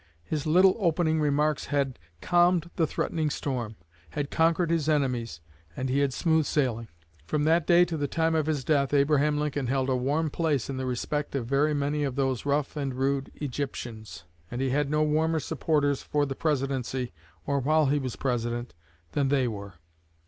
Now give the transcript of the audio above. His little opening remarks had calmed the threatening storm, had conquered his enemies, and he had smooth sailing. From that day to the time of his death, Abraham Lincoln held a warm place in the respect of very many of those rough and rude "Egyptians," and he had no warmer supporters for the Presidency, or while he was President, than they were.